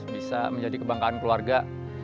bisa menjadi kebanggaan keluarga